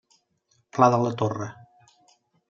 Pla de la torre.